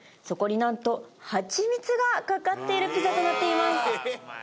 そこに何とハチミツがかかっているピザとなっています